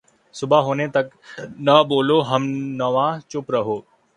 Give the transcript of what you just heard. صبح ہونے تک نہ بولو ہم نواؤ ، چُپ رہو